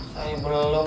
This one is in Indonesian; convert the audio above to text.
saya berlalu bu